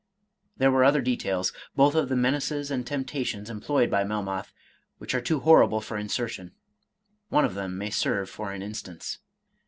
(There were other details, both of the menaces and temptations employed by Melmoth, which are too horrible for insertion. One of them may serve for an instance.)